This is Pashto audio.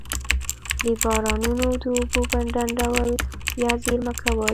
د بارانونو د اوبو ډنډول یا زیرمه کول.